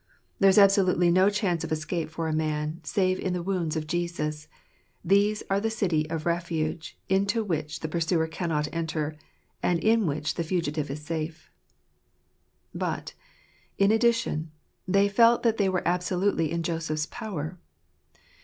There is absolutely no chance of escape for a man, save in the wounds of Jesus 5 these are the city of refuge into which the pursuer cannot enter, and in which the fugitive is safe. But , in addition , they felt that they were absolutely in Joseph's power.